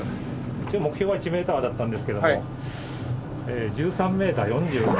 一応目標は１メーターだったんですけども１３メーター４０。